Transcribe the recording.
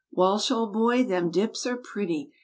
Walsh, old boy, them dips are pretty.